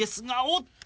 おっと。